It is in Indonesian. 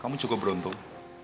kamu cukup beruntung